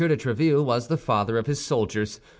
de Tréville was the father of his soldiers.